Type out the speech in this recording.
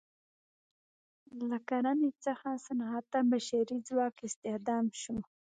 له کرنې څخه صنعت ته بشري ځواک استخدام شو.